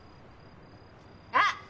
あっ！